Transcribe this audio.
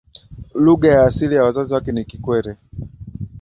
lugha ya asili ya wazazi wake ni kikwere